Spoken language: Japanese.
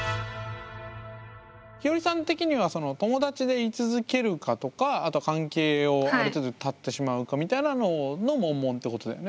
ひよりさん的には友達でい続けるかとかあと関係をある程度断ってしまうかみたいなののモンモンってことだよね。